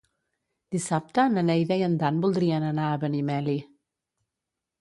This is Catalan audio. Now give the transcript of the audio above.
Dissabte na Neida i en Dan voldrien anar a Benimeli.